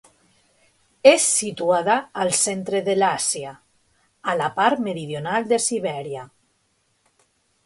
És situada al centre de l'Àsia, a la part meridional de Sibèria.